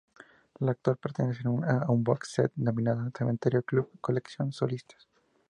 La cual pertenece a un box set denominada, Cementerio Club: Colección Solistas.